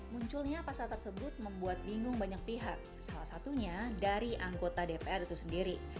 munculnya pasal tersebut membuat bingung banyak pihak salah satunya dari anggota dpr itu sendiri